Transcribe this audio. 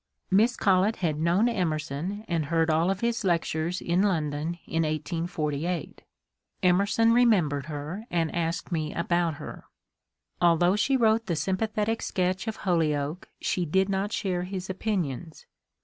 Miss Collet had known Emerson and heard all of his lectures in London in 1848. (Emerson remembered her and asked me about her.) Although she wrote the sympathetic sketch of Holyoake she did not share his opinions.